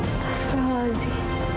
sudah berapa lagi